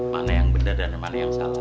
mana yang benar dan mana yang salah